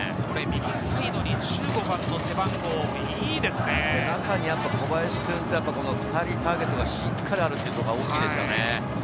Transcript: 右サイドに１５番の井伊中に小林君と２人ターゲットがしっかりあるっていうところが大きいですね。